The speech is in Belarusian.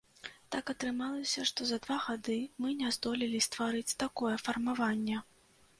Так атрымалася, што за два гады мы не здолелі стварыць такое фармаванне.